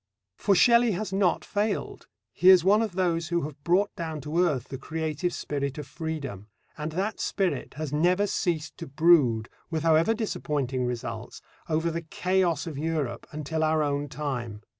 For Shelley has not failed. He is one of those who have brought down to earth the creative spirit of freedom. And that spirit has never ceased to brood, with however disappointing results, over the chaos of Europe until our own time.